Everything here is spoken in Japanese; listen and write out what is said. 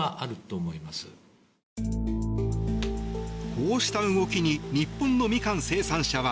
こうした動きに日本のミカン生産者は。